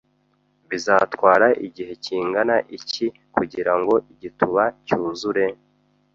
Bizatwara igihe kingana iki kugirango igituba cyuzure?